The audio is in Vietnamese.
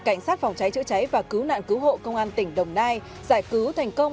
cảnh sát phòng cháy chữa cháy và cứu nạn cứu hộ công an tỉnh đồng nai giải cứu thành công